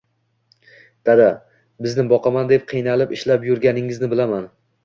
Dada, bizni boqaman deb qiynalib, ishlab yurganingizni bilaman